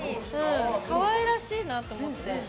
可愛らしいなと思って。